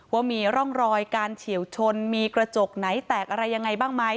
ว่ามีร่องรอยการเฉียวชนมีกระจกไหนแตกอะไรยังไงบ้างไหม